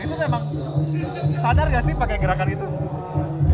itu memang sadar gak sih pakai gerakan itu